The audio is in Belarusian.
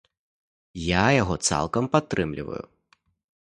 Я яго цалкам падтрымліваю.